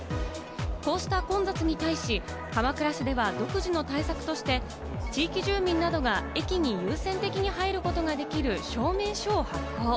こうした混雑に対し鎌倉市では独自の対策として、地域住民などが駅に優先的に入ることができる証明書を発行。